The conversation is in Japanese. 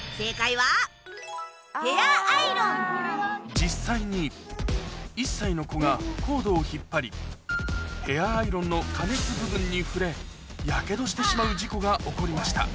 実際に１歳の子がコードを引っ張りヘアアイロンのしてしまう事故が起こりました